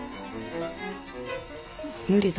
無理だ。